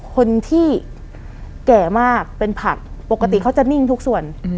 คนที่แก่มากเป็นผักปกติเขาจะนิ่งทุกส่วน